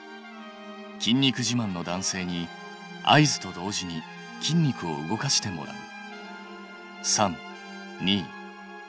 筋肉じまんの男性に合図と同時に筋肉を動かしてもらう。